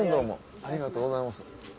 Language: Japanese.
ありがとうございます。